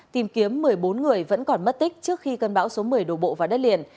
tìm kiếm một mươi bốn người vẫn còn mất tích trước khi cơn bão số một mươi đổ bộ vào đất liền